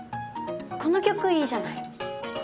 この曲いいじゃない。